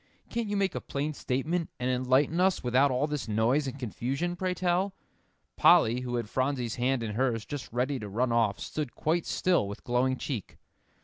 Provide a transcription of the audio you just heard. "Can't you make a plain statement, and enlighten us without all this noise and confusion, pray tell?" Polly, who had Phronsie's hand in hers, just ready to run off, stood quite still with glowing cheek.